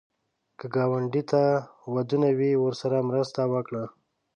که ګاونډي ته ودونه وي، ورسره مرسته وکړه